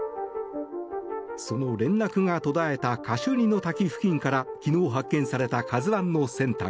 その連絡が途絶えたカシュニの滝付近から昨日発見された「ＫＡＺＵ１」の船体。